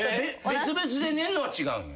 別々で寝るのは違うんや。